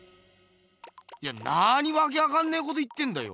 いやなにわけわかんねえこと言ってんだよ。